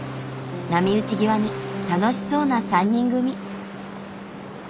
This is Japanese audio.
波打ち際に楽しそうな３人組。